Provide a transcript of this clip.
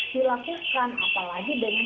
dilakukan apalagi dengan